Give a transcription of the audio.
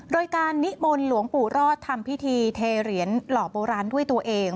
โดยการนิมนต์หลวงปู่รอดทำพิธีเทเหรียญหล่อโบราณด้วยตัวเอง